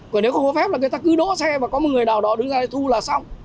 còn nếu không có phép là người ta cứ đỗ xe và có một người nào đó đứng ra đây thu là xong